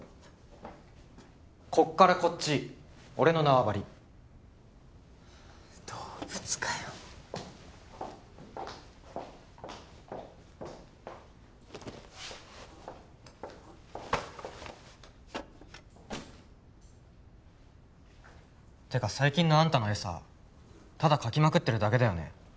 こっからこっち俺の縄張り動物かよってか最近のあんたの絵さただ描きまくってるだけだよね